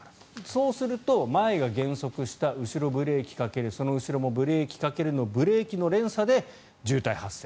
そうすると、前が減速した後ろ、ブレーキかけるその後ろもブレーキをかけるとブレーキの連鎖で渋滞発生。